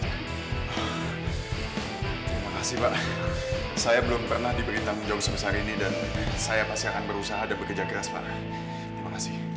terima kasih pak saya belum pernah diberi tanggung jawab sebesar ini dan saya pasti akan berusaha dan bekerja keras pak